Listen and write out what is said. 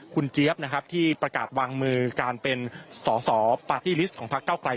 คุณเจี๊ยบนะครับที่ประกาศวางมือการเป็นสอสอปาร์ตี้ลิสต์ของพักเก้าไกล